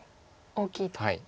大きいと。